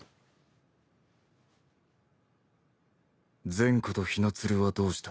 ・善子と雛鶴はどうした。